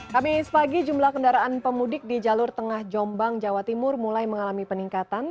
kami sepagi jumlah kendaraan pemudik di jalur tengah jombang jawa timur mulai mengalami peningkatan